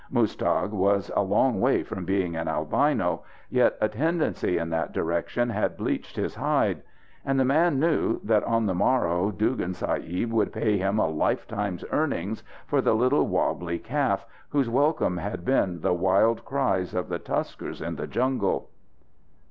Muztagh was a long way from being an albino, yet a tendency in that direction had bleached his hide. And the man knew that on the morrow Dugan Sahib would pay him a lifetime's earnings for the little wabbly calf, whose welcome had been the wild cries of the tuskers in the jungle.